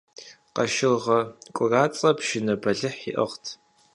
Къашыргъэ КӀурацэ пшынэ бэлыхь иӀыгът.